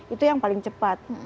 itu yang paling cepat